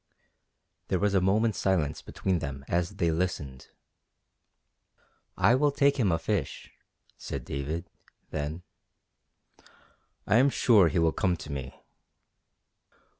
There was a moment's silence between them as they listened. "I will take him a fish," said David, then. "I am sure he will come to me."